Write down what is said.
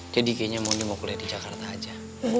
jadi kayaknya moni mau kuliah di jakarta aja